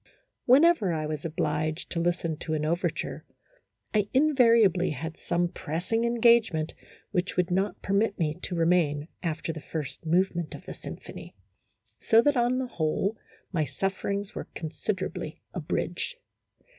" Whenever I was obliged to listen to an overture, I invariably had some pressing en gagement which would not permit me to remain after the first movement of the symphony, so that, on the whole, my sufferings were considerably abridged.